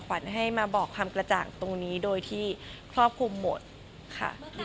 ขวัญให้มาบอกความกระจ่างตรงนี้โดยที่ครอบคลุมหมดค่ะ